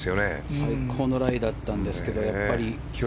最高のライだったんですけど。